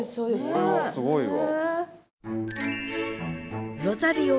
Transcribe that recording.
これはすごいわ。